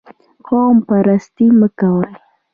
قوم پرستي مه کوئ